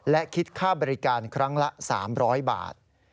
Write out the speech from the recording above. และคิดค่าบริการครั้งละ๓๐๐บาท